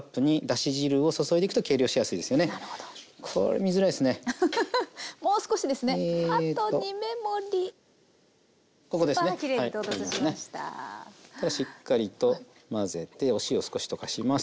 したらしっかりと混ぜてお塩少し溶かします。